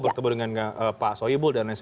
bertemu dengan pak soebul dan lain sebagainya